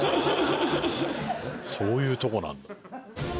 そういうとこなんだ。